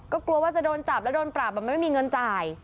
ก็กลัวว่าจะโดนจับแล้วโดนปรับมันไม่มีเงินจ่าย